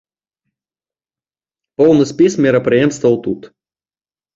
Поўны спіс мерапрыемстваў тут.